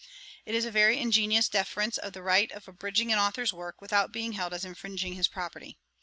] It is a very ingenious defence of the right of abridging an authour's work, without being held as infringing his property.